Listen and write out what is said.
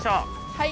はい。